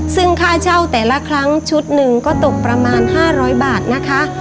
ซึ่งค่าเช่าแต่ละครั้งชุดหนึ่งก็ตกประมาณ๕๐๐บาทนะคะ